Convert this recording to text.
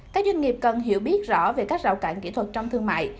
các doanh nghiệp cần hiểu biết rõ về các rào cản kỹ thuật trong thương mại